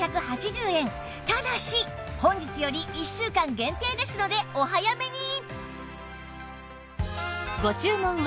ただし本日より１週間限定ですのでお早めに！